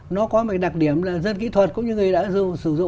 nó có một đặc điểm là dân kỹ thuật cũng như người đã sử dụng